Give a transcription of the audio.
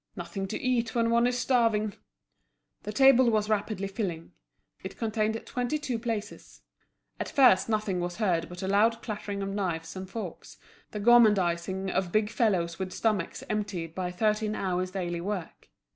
"Nothing to eat when one is starving." The table was rapidly filling. It contained twenty two places. At first nothing was heard but a loud clattering of knives and forks, the gormandising of big fellows with stomachs emptied by thirteen hours' daily work.